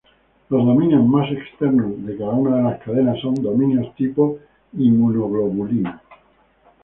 Los dominios más externos de cada una de las cadenas son dominios tipo inmunoglobulina.